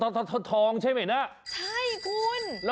โอ้โฮโอ้โฮท้อนท้อนใช่ไหมนะ